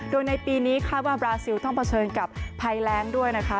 โดยในปีนี้คาดว่าบราซิลต้องเผชิญกับภัยแรงด้วยนะคะ